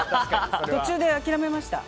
途中で諦めました。